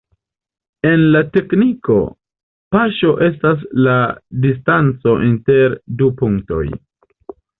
En la tekniko paŝo estas la distanco inter du punktoj.